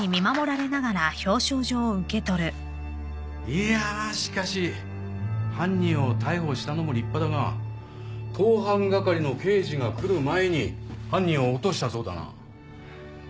いやあしかし犯人を逮捕したのも立派だが盗犯係の刑事が来る前に犯人を落としたそうだな。